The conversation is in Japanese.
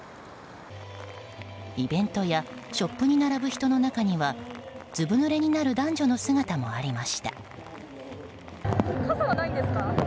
イベントやショップに並ぶ人の中にはずぶぬれになる男女の姿もありました。